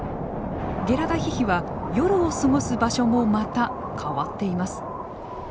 ゲラダヒヒは夜を過ごす場所もまた変わっています。